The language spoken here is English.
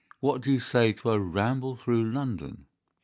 What do you say to a ramble through London?"